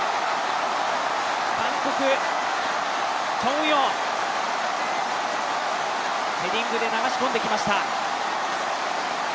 韓国、チョン・ウヨン、ヘディングで流し込んできました。